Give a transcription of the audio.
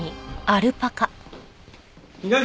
アルパカだ！